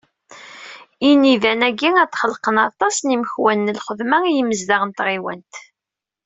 Inidan-agi, ad d-xelqen aṭas n yimekwan n lxedma, i yimezdaɣ n tɣiwant.